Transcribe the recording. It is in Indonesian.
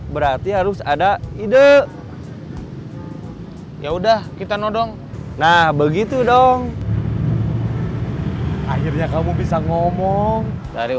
berarti harus ada ide ya udah kita nodong nah begitu dong akhirnya kamu bisa ngomong dari